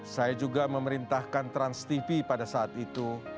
saya juga memerintahkan transtv pada saat itu